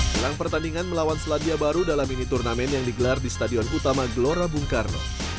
jelang pertandingan melawan selandia baru dalam mini turnamen yang digelar di stadion utama gelora bung karno